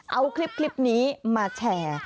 เอาคลิปนี้มาแชร์